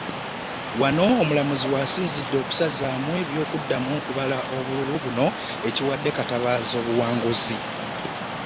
Wano omulamuzi w’asinzidde n’asazaamu eby’okuddamu okubala obululu buno, ekiwadde Katabaazi obuwanguzi.